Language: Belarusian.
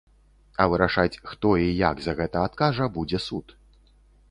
А вырашаць, хто і як за гэта адкажа, будзе суд.